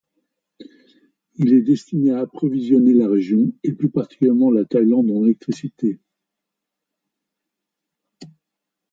Il est destiné à approvisionner la région, et plus particulièrement la Thaïlande, en électricité.